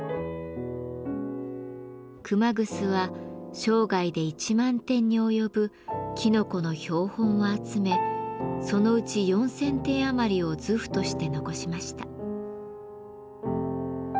熊楠は生涯で１万点に及ぶきのこの標本を集めそのうち４，０００点余りを図譜として残しました。